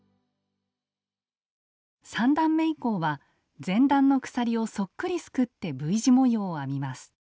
３段め以降は前段の鎖をそっくりすくってＶ字模様を編みます。